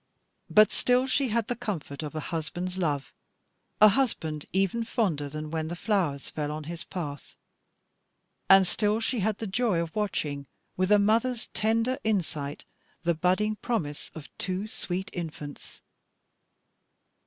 But still she had the comfort of a husband's love, a husband even fonder than when the flowers fell on his path; and still she had the joy of watching, with a mother's tender insight, the budding promise of two sweet infants.